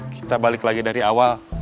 kita balik lagi ke rumah